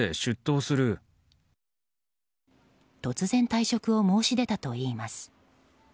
突然退職を申し出たといいます。